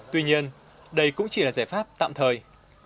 tuy nhiên đây cũng chỉ là giải pháp tạm thời